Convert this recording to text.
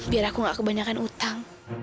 biar aku gak kebanyakan utang